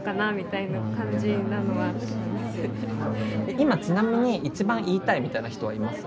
今ちなみに一番言いたいみたいな人はいます？